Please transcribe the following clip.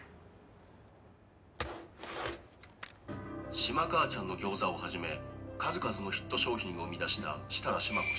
「しま母ちゃんのぎょうざを始め数々のヒット商品を生み出した設楽しま子氏」